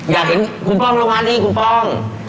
อยากเห็นคุณป้องลงมานี่คุณป้อง